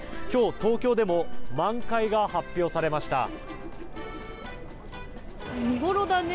今日、東京でも満開が発表されました。